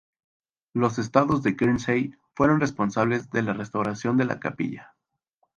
Los Estados de Guernsey fueron responsables de la restauración de la capilla.